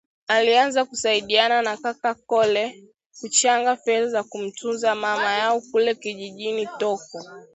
Alianza kusaidiana na kaka Kole kuchanga fedha za kumtunza mama yao kule kijijini Toko